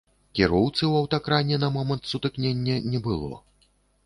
Кіроўцы ў аўтакране на момант сутыкнення не было.